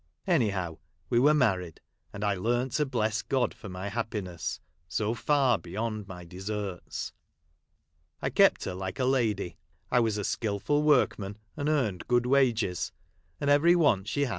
AnyhoAV Ave Avere married ; and I learnt to bless God for my happiness, so far beyond my deserts. I kept her like a lady. I was a skilful Avorkman, and earned .good wages ; and every Avant she had.